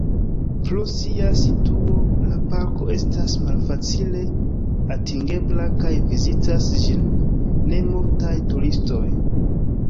Pro sia situo la parko estas malfacile atingebla kaj vizitas ĝin ne multaj turistoj.